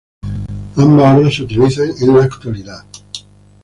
Ambas obras se utilizan en la actualidad.